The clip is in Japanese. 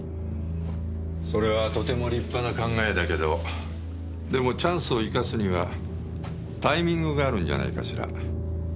それはとても立派な考えだけどでもチャンスを生かすにはタイミングがあるんじゃないかしら。